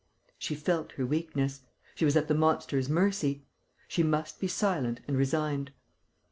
She felt her weakness. She was at the monster's mercy. She must be silent and resigned.